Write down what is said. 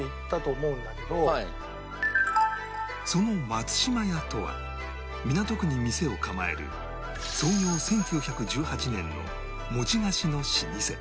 その松島屋とは港区に店を構える創業１９１８年の餅菓子の老舗